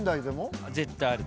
絶対ある。